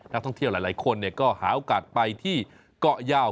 นักท่องเที่ยวหลายคนก็หาโอกาสไปที่เกาะยาว